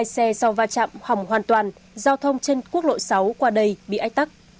hai xe sau va chạm hỏng hoàn toàn giao thông trên quốc lộ sáu qua đây bị ách tắc